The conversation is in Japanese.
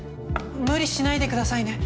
無理しないでくださいね。